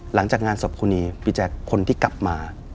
หลังจากงานศพครูนีพี่แจ๊คคนที่กลับมา